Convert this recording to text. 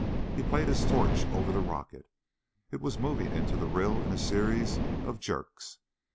He played his torch over the rocket. It was moving into the rill in a series of jerks.